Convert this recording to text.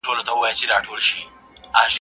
وريجې او پالک یوځای خوړل کېږي.